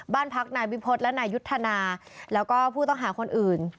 บ้านพักนายวิพฤษและนายยุทธนาแล้วก็ผู้ต้องหาคนอื่น